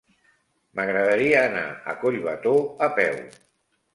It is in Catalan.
M'agradaria anar a Collbató a peu.